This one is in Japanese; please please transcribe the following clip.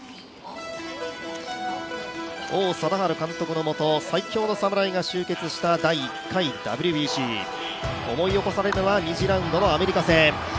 王貞治監督のもと、最強の侍が集結した第１回ＷＢＣ、思い起こされるのは２次ラウンドのアメリカ戦。